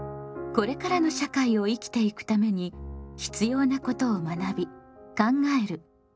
これからの社会を生きていくために必要なことを学び考える「公共」。